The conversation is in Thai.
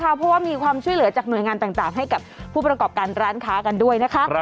เพราะว่ามีความช่วยเหลือจากหน่วยงานต่างให้กับผู้ประกอบการร้านค้ากันด้วยนะคะ